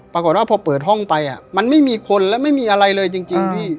ปรากฏว่าพอเปิดห้องไปมันไม่มีคนและไม่มีอะไรเลยจริงพี่